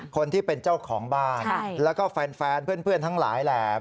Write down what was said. คนที่เป็นเจ้าของบ้านแล้วก็แฟนเพื่อนทั้งหลายแหละ